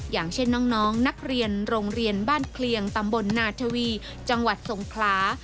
อย่างเช่นน้องนักเรียนโรงเรียนบ้านเคลียงตำบลนาทวีจังหวัดสงขลา